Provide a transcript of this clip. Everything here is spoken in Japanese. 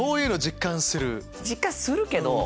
実感するけど。